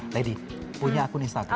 lady punya akun instagram